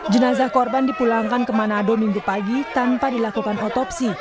jenazah korban dipulangkan ke manado minggu pagi tanpa dilakukan otopsi